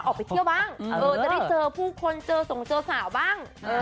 ออกไปเที่ยวบ้างจะได้เจอผู้คนเจอส่งเจอสาวบ้าง